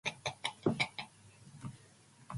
He was the longtime partner of Hubert de Givenchy.